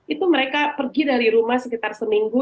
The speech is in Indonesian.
itu mereka pergi dari rumah sekitar seminggu